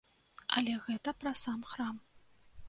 Але гэта пра сам храм.